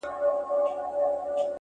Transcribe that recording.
• زړه مي را خوري؛